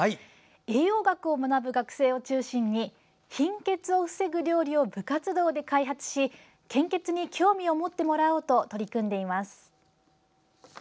栄養学を学ぶ学生を中心に貧血を防ぐ料理を部活動で開発し献血に興味を持ってもらおうと取り組んでいます。